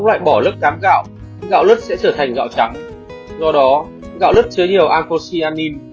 gạo lứt cám gạo gạo lứt sẽ trở thành gạo trắng do đó gạo lứt chế nhiều alkocyanin